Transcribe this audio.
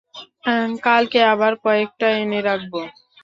কালকে আবার কয়েকটা এনে রাখব।